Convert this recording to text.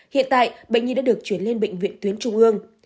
hiện tại bệnh nhi đã được chuyển lên bệnh viện tuyến trung ương